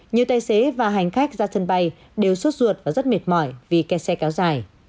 nhiều tài xế và hành khách ra sân bay đều suốt ruột và rất mệt mỏi vì kẹt xe kéo dài